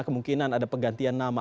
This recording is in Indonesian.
kemungkinan ada penggantian nama